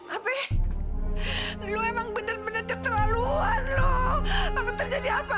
apa lu emang benar benar keterlaluan lo apa terjadi apa